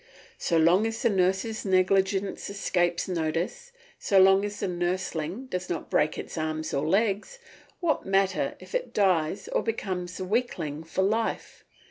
So long as the nurse's negligence escapes notice, so long as the nursling does not break its arms or legs, what matter if it dies or becomes a weakling for life.